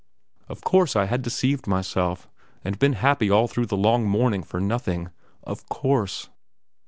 Of course I had deceived myself and been happy all through the long morning for nothing!... Of course!...